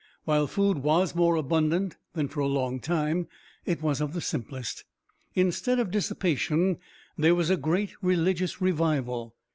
While food was more abundant than for a long time, it was of the simplest. Instead of dissipation there was a great religious revival.